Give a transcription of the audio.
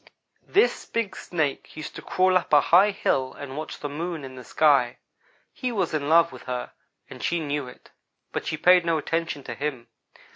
"This big Snake used to crawl up a high hill and watch the Moon in the sky. He was in love with her, and she knew it; but she paid no attention to him.